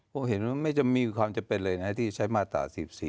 ผมเห็นว่าไม่จำมีความจำเป็นเลยนะที่ใช้มาตรา๔๔